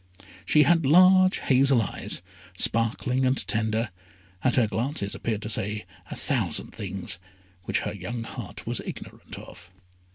She had large hazel eyes, sparkling and tender, and her glances appeared to say a thousand things which her young heart was ignorant of.